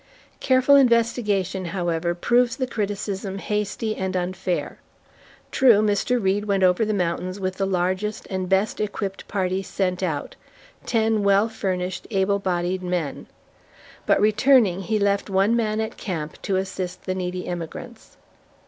Careful investigation, however, proves the criticism hasty and unfair. True, Mr. Reed went over the mountains with the largest and best equipped party sent out, ten well furnished, able bodied men. But returning he left one man at camp to assist the needy emigrants.